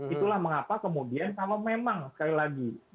itulah mengapa kemudian kalau memang sekali lagi